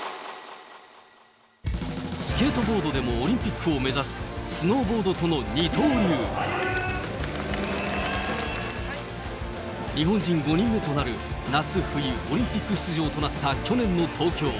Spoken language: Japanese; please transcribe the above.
スケートボードでもオリンピックを目指す、スノーボードとの二刀流。日本人５人目となる夏冬オリンピック出場となった去年の東京。